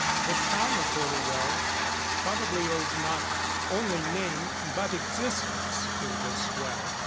The town of Holywell probably owes not only name but existence to this well.